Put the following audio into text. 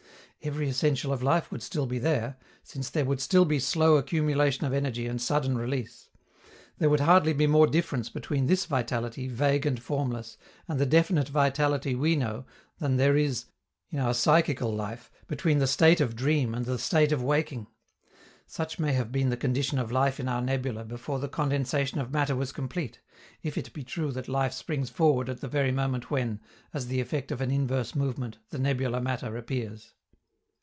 Every essential of life would still be there, since there would still be slow accumulation of energy and sudden release. There would hardly be more difference between this vitality, vague and formless, and the definite vitality we know, than there is, in our psychical life, between the state of dream and the state of waking. Such may have been the condition of life in our nebula before the condensation of matter was complete, if it be true that life springs forward at the very moment when, as the effect of an inverse movement, the nebular matter appears.